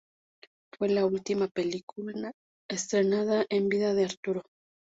Fue la última película estrenada en vida de Arturo.